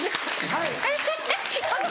はい。